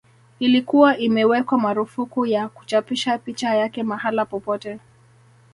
Ilikuwa imewekwa marufuku ya kuchapisha picha yake mahala popote